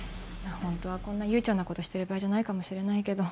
ホントはこんな悠長なことしてる場合じゃないかもしれないけど。